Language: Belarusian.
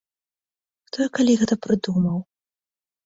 Хто і калі гэта прыдумаў?